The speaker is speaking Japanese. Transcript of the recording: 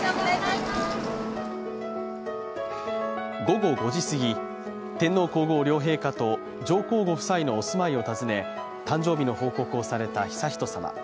午後５時すぎ、天皇皇后両陛下と上皇ご夫妻のお住まいを訪ね、誕生日の報告をされた悠仁さま